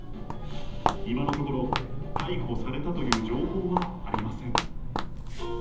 今のところ、逮捕されたという情報はありません。